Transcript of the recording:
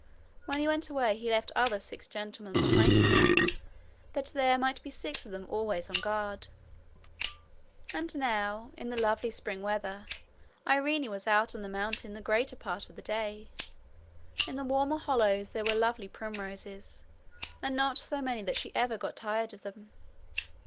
When he went away he left other six gentlemen behind him, that there might be six of them always on guard. And now, in the lovely spring weather, Irene was out on the mountain the greater part of the day. In the warmer hollows there were lovely primroses, and not so many that she ever got tired of them.